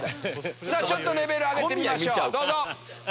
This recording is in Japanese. ちょっとレベル上げてみましょう。